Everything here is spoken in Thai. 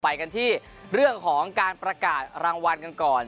ไปกันที่เรื่องของการประกาศรางวัลกันก่อน